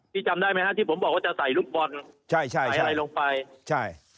จำได้ไหมฮะที่ผมบอกว่าจะใส่ลูกบอลใช่ใช่ใส่อะไรลงไปใช่